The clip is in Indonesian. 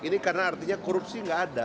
ini karena artinya korupsi nggak ada